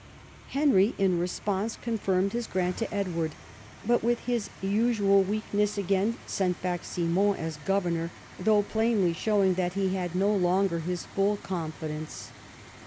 Henry in response confirmed his grant to Edward, but with his usual weakness again sent back Simon as governor, though plainly showing that he had no longer his full confidence.